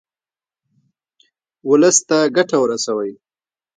ولس ته ګټه ورسوئ.